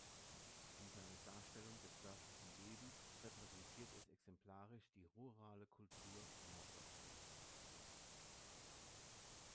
In seiner Darstellung des dörflichen Lebens repräsentiert es exemplarisch die rurale Kultur Norddeutschlands.